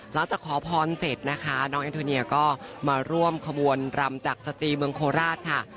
ขอพรเสร็จนะคะน้องแอนโทเนียก็มาร่วมขบวนรำจากสตรีเมืองโคราชค่ะ